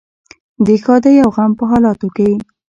د ښادۍ او غم په حالاتو کې.